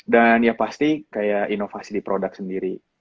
dan ya pasti kayak inovasi di produk sendiri